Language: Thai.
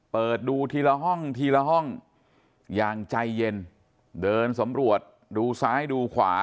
เปิดดูทีละห้องทีละห้องอย่างใจเย็นเดินสำรวจดูซ้ายดูขวา